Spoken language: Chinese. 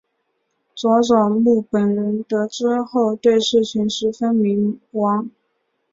佐佐木本人得知后对事情十分迷惘。